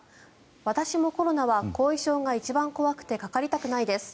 私もコロナは後遺症が一番怖くてかかりたくないです。